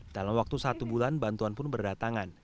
dalam waktu satu bulan bantuan pun berdatangan